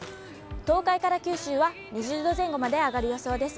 東海から九州は２０度前後まで上がる予想です。